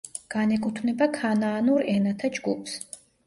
განეკუთვნება ქანაანურ ენათა ჯგუფს.